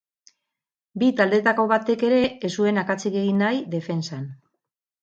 Bi taldeetako batek ere ez zuen akatsik egin nahi defentsan.